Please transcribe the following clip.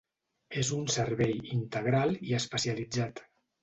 És un servei integral i especialitzat.